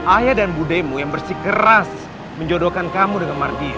ayah dan budde kamu yang bersikeras menjodohkan kamu dengan mardian